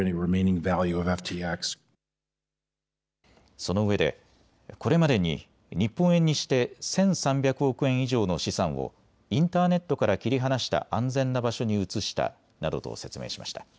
そのうえで、これまでに日本円にして１３００億円以上の資産をインターネットから切り離した安全な場所に移したなどと説明しました。